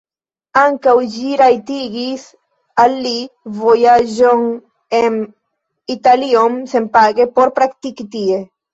Ankaŭ ĝi rajtigis al li vojaĝon en Italion senpage por praktiki tie.